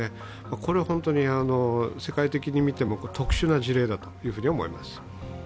これは世界的に見ても特殊な事例だと思います。